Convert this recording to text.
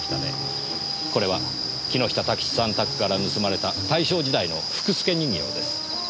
これは木下太吉さん宅から盗まれた大正時代の福助人形です。